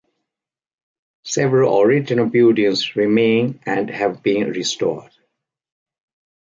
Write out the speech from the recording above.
Several original buildings remain and have been restored.